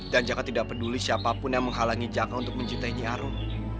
dan jaka tidak peduli siapapun yang menghalangi jaka untuk mencintai nyi arum